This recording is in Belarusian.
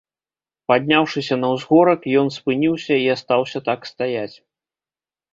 Падняўшыся на ўзгорак, ён спыніўся і астаўся так стаяць.